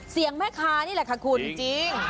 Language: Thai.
เสียงแม่คานี่แหละค่ะคุณจริงจริง